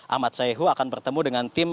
ahmad saihu akan bertemu dengan tim